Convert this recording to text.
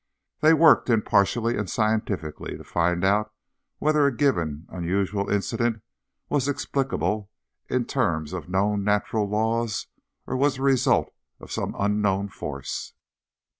They've worked impartially and scientifically to find out whether a given unusual incident was explicable in terms of known natural laws, or was the result of some unknown force.